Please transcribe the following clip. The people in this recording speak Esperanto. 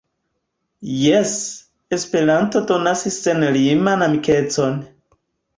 Jes, Esperanto donas senliman amikecon!